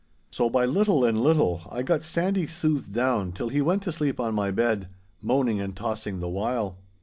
So by little and little I got Sandy soothed down till he went to sleep on my bed, moaning and tossing the while.